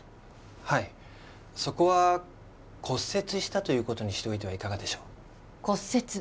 はいそこは骨折したということにしておいてはいかがでしょう骨折？